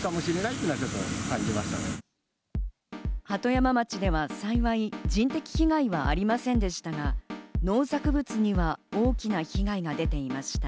鳩山町では幸い人的被害はありませんでしたが、農作物には大きな被害が出ていました。